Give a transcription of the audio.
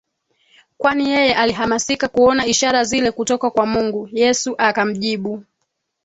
kwani yeye alihamasika kuona ishara zile kutoka kwa Mungu Yesu akamjibu